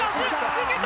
抜けた！